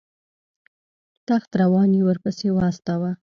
تخت روان یې ورپسې واستاوه.